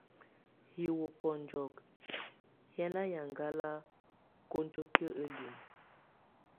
Hiuye kɔnjɔkɔk, hɛ́ yaŋngala konjoki elim.